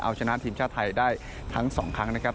เอาชนะทีมชาติไทยได้ทั้งสองครั้งนะครับ